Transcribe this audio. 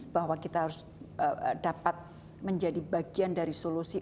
bahwa kita harus dapat menjadi bagian dari solusi